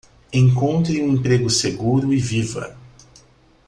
Encontre um emprego seguro e viva